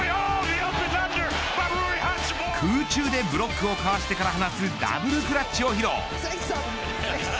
空中でブロックをかわしてから放つダブルクラッチを披露。